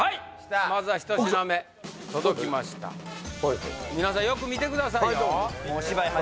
まずは１品目届きましたみなさんよく見てくださいよ